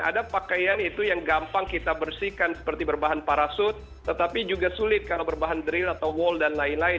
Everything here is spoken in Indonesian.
ada pakaian itu yang gampang kita bersihkan seperti berbahan parasut tetapi juga sulit kalau berbahan drill atau wall dan lain lain